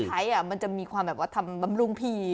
ใช้อ่ะมันจะมีความแบบว่าทำบำรุงผิว